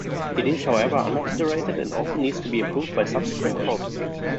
It is, however, under-saturated, and often needs to be improved by subsequent processing.